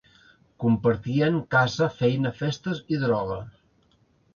Compartien casa, feina, festes i droga.